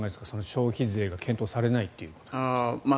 消費税が検討されないということに対して。